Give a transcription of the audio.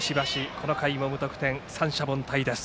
この回も無得点、三者凡退です。